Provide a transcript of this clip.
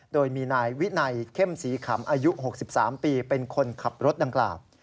โดยมีนายวินัยเข้มสีขำอายุ๖๓ปีเป็นคนขับรถดังกล่าว